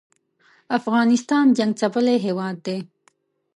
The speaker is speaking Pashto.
افغانستان جنګ څپلی هېواد دی